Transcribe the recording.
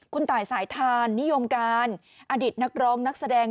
คุณตายสายทานนิยมการอดิตนักร้องนักแสดง